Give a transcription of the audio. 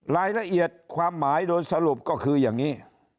รายละเอียดความหมายโดยสรุปก็คืออย่างนี้